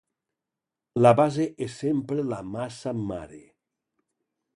La base és sempre la massa mare.